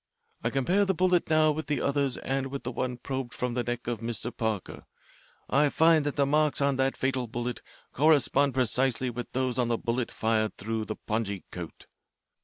I compare the bullet now with the others and with the one probed from the neck of Mr. Parker. I find that the marks on that fatal bullet correspond precisely with those on the bullet fired through the pongee coat."